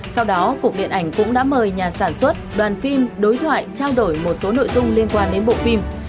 sau đó cục điện ảnh cũng đã mời nhà sản xuất đoàn phim đối thoại trao đổi một số nội dung liên quan đến bộ phim